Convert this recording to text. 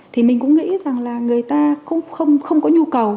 thì mình cũng nghĩ rằng là người ta cũng không có nhu cầu